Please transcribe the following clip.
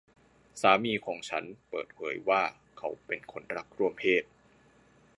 สามีของฉันเปิดเผยว่าเขาเป็นคนรักร่วมเพศ